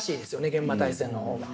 「幻魔大戦」の方が。